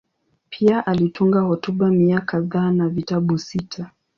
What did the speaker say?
Pia alitunga hotuba mia kadhaa na vitabu sita.